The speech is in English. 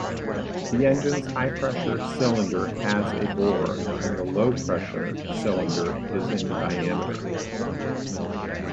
The engine's high-pressure cylinder has a bore, and the low-pressure cylinder is in diameter.